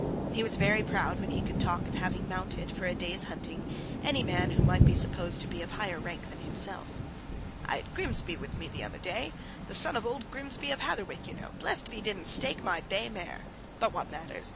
He was very proud when he could talk of having mounted, for a day's hunting, any man who might be supposed to be of higher rank than himself. "I had Grimsby with me the other day, the son of old Grimsby of Hatherwick, you know. Blessed if he didn't stake my bay mare. But what matters?